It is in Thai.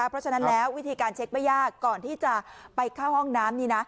เพราะฉะนั้นแล้ววิธีการเช็คไม่ยากก่อนที่จะไปเข้าห้องน้ำนี่นะ